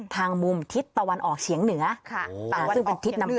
ทางมุมทิศตะวันออกเฉียงเหนือ